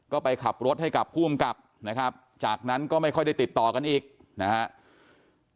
ก็ไปขับรถให้กับผู้อำกับนะครับจากนั้นก็ไม่ค่อยได้ติดต่อกันอีกนะครับ